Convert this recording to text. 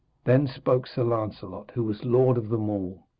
Then spoke Sir Lancelot, who was lord of them all.